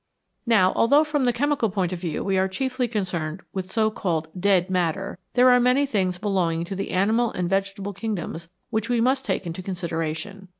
Now, although from the chemical point of view we are chiefly concerned with so called "dead" matter, there are many things belonging to the animal and vegetable kingdoms which we must take into consideration.